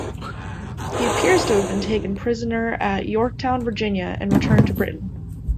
He appears to have been taken prisoner at Yorktown, Virginia and returned to Britain.